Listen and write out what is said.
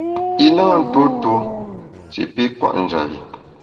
I na ntuo tuo shi pi kwet njap bi.